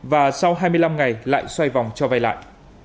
và sau hai mươi năm ngày lại xoay vòng cho vay lại